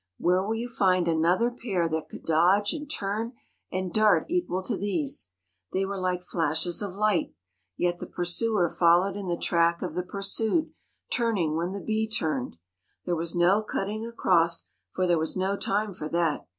Where will you find another pair that could dodge and turn and dart equal to these? They were like flashes of light, yet the pursuer followed in the track of the pursued, turning when the bee turned. There was no cutting across, for there was no time for that.